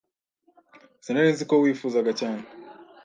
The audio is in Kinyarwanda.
Sinari nzi ko wifuzaga cyane.